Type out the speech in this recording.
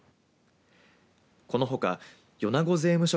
このほか米子税務署